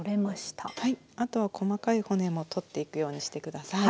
あとは細かい骨も取っていくようにして下さい。